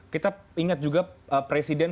kita ingat juga presiden